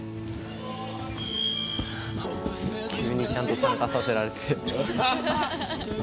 急にちゃんと参加させられて。